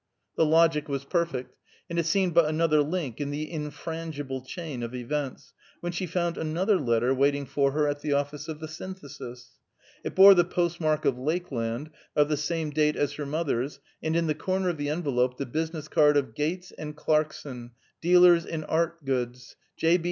The logic was perfect, and it seemed but another link in the infrangible chain of events, when she found another letter waiting for her at the office of the Synthesis. It bore the postmark of Lakeland, of the same date as her mother's, and in the corner of the envelope the business card of Gates & Clarkson, Dealers in Art Goods; J. B.